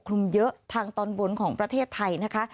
คลุมเยอะทางตอนบนของประเทศไทยนะคะ